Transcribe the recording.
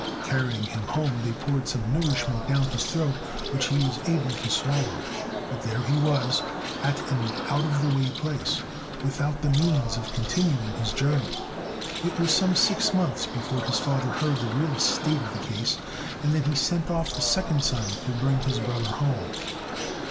Carrying him home, they poured some nourishment down his throat, which he was able to swallow; but there he was at an out of the way place, without the means of continuing his journey. It was some six months before his father heard the real state of the case, and then he sent off the second son to bring his brother home.